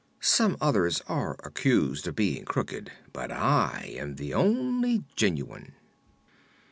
Some others are accused of being crooked, but I am the only genuine."